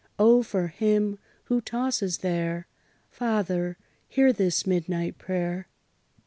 O! for him, who tosses there, Father, hear this midnight prayer!